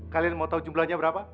kalian mau tahu jumlahnya berapa